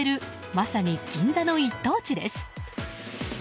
まさに銀座の一等地です。